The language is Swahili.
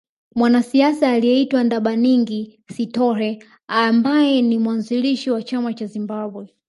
Mwanasiasa aliyeitwa Ndabaningi Sithole ambaye ni mwanzilishi wa chama cha Zimbabwe